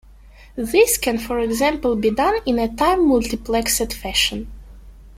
This can for example be done in a time-multiplexed fashion.